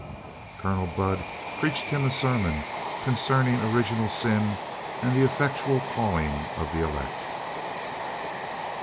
Colonel Budd preached him a sermon concerning original sin and the effectual calling of the elect.